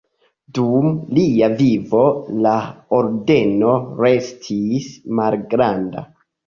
Dum lia vivo la ordeno restis malgranda.